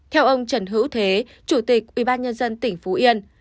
theo ông trần hữu thế chủ tịch ubnd tỉnh phú yên